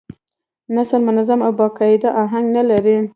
نثر منظم او با قاعده اهنګ نه لري.